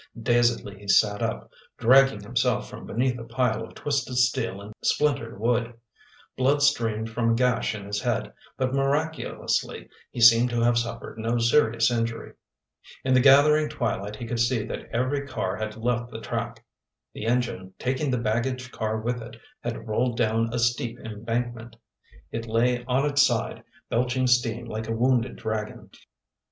Dazedly he sat up, dragging himself from beneath a pile of twisted steel and splintered wood. Blood streamed from a gash in his head, but miraculously, he seemed to have suffered no serious injury. In the gathering twilight he could see that every car had left the track. The engine, taking the baggage car with it, had rolled down a steep embankment. It lay on its side, belching steam like a wounded dragon.